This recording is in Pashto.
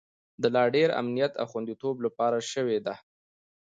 د لا ډیر امنیت او خوندیتوب لپاره شوې ده